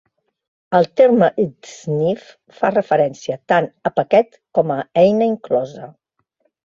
El terme "dsniff" fa referència tant al paquet com a una eina inclosa.